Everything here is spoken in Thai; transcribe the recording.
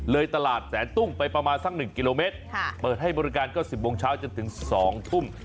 ตลาดแสนตุ้งไปประมาณสัก๑กิโลเมตรเปิดให้บริการก็๑๐โมงเช้าจนถึง๒ทุ่ม